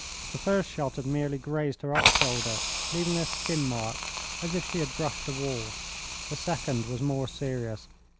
The first shot had merely grazed her off shoulder, leaving a skin mark, as if she had brushed a wall. The second was more serious.